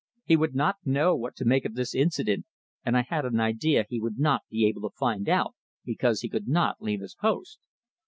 He would not know what to make of this incident, and I had an idea he would not be able to find out, because he could not leave his post.